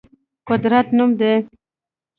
قدرت نوم دی.